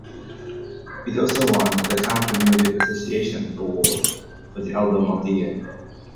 It also won the Country Music Association Award for Album of the Year.